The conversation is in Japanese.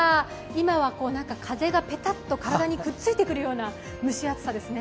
今はなんか風がペタッと体にくっついてくるような蒸し暑さですね。